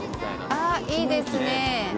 あっいいですね。